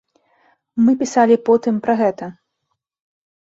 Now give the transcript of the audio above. Мы пісалі потым пра гэта.